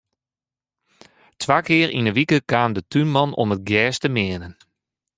Twa kear yn 'e wike kaam de túnman om it gjers te meanen.